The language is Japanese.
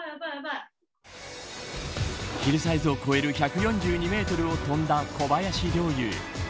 ヒルサイズを越える１４２メートルを飛んだ小林陵侑。